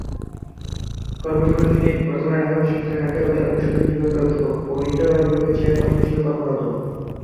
কর্মজীবনে তিনি বর্তমানে ঢাকা বিশ্ববিদ্যালয়ের নাট্যকলা ও সংগীত বিভাগের অধ্যাপক ও নৃত্যকলা বিভাগের চেয়ারপার্সন হিসেবে কর্মরত।